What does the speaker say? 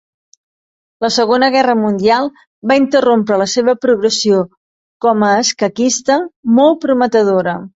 La Segona Guerra Mundial va interrompre la seva progressió com a escaquista, molt prometedora.